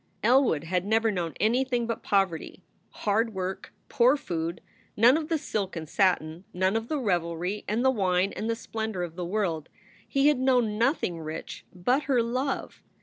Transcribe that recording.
Elwood had never known anything but poverty, hard work, poor food, none of the silk and satin, none of the revelry and the wine and the splendor of the world. He had known nothing rich but her love.